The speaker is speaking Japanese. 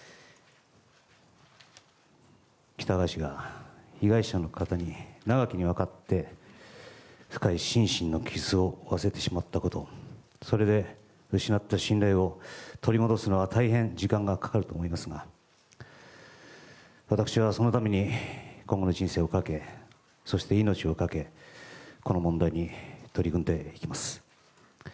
喜多川氏が被害者の方に長きにわたって深い心身の傷を負わせてしまったことそれで失った信頼を取り戻すのは大変時間がかかると思いますが私はそのために今後の人生をかけそして、命をかけこの問題に取り組んでいきます。